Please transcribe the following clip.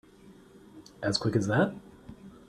As quick as that?